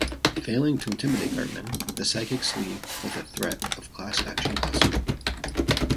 Failing to intimidate Cartman, the psychics leave with a threat of class action lawsuit.